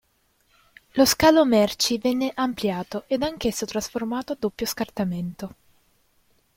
Lo scalo merci venne ampliato ed anch'esso trasformato a doppio scartamento.